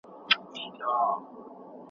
شاید تضاد او اختلاف پر ټولنیز بدلون تاثیر ولري.